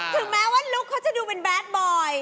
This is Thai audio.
ถึงแม้ว่าลุคเขาจะดูเป็นแดดบอย